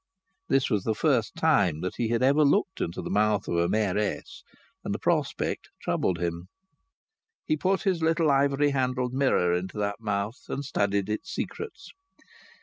This was the first time that he had ever looked into the mouth of a Mayoress, and the prospect troubled him. He put his little ivory handled mirror into that mouth and studied its secrets.